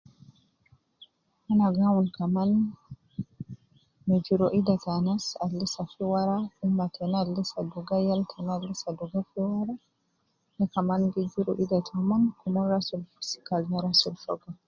Ana gi awun kaman ,me juru ida te anas al Lisa fi wara fi umma tena, al lisa duga yal tena Lisa duga fi wara, na kaman gi juru ida tomon komon rasul fi sika ab na rasul fogo